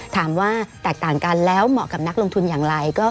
ถามว่าแตกต่างกันแล้วเหมาะกับนักลงทุนอย่างไร